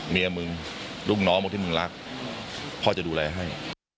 เมียมึงลูกน้องมึงที่มึงรักพ่อจะดูแลให้